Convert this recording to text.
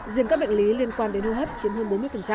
riêng các bệnh lý liên quan đến hô hấp chiếm hơn bốn mươi